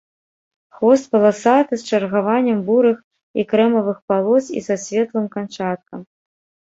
Хвост паласаты з чаргаваннем бурых і крэмавых палос і са светлым канчаткам.